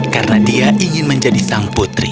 karena dia ingin menjadi sang putri